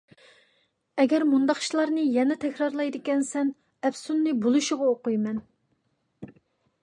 ئەگەر مۇنداق ئىشلارنى يەنە تەكرارلايدىكەنسەن، ئەپسۇننى بولۇشىغا ئوقۇيمەن!